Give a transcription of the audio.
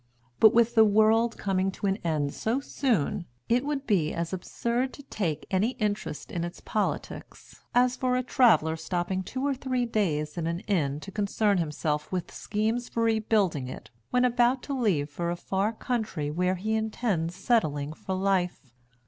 But with the world coming to an end so soon, it would be as absurd to take any interest in its politics as for a traveller stopping two or three days in an inn to concern himself self with schemes for rebuilding it, when about to leave for a far country where he intends settling for life.